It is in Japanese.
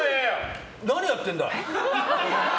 何やってるんだ？